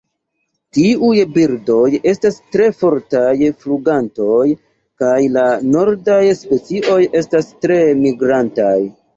Tiuj birdoj estas tre fortaj flugantoj kaj la nordaj specioj estas tre migrantaj.